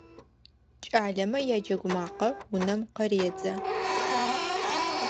КӀалэмэ яджэгу макъэ унэм къыредзэ.